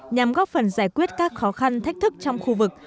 nhằm góp phần giải quyết các khó khăn thách thức trong khu vực